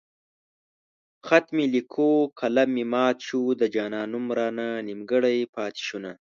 خط مې ليکو قلم مې مات شو د جانان نوم رانه نيمګړی پاتې شونه